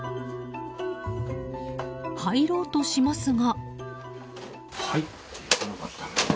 入ろうとしますが。